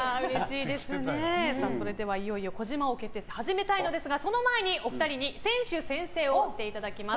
それではいよいよ児嶋王決定戦を始めたいんですがその前に、お二人に選手宣誓をお願いします。